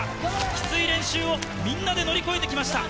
きつい練習をみんなで乗り越えてきました。